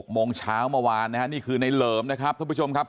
โมงเช้าเมื่อวานนะฮะนี่คือในเหลิมนะครับท่านผู้ชมครับ